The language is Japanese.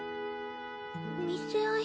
見せ合い。